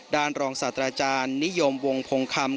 รองศาสตราจารย์นิยมวงพงคำ